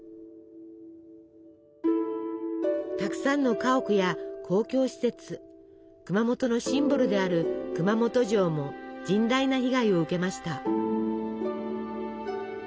たくさんの家屋や公共施設熊本のシンボルである熊本城も甚大な被害を受けました。